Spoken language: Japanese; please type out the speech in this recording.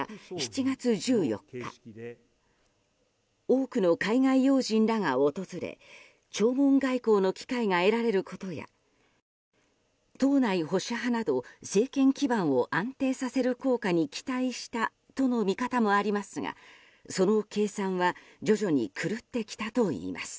多くの海外要人らが訪れ弔問外交の機会が得られることや党内保守派など政権基盤を安定させる効果に期待したとの見方もありますがその計算は徐々に狂ってきたといいます。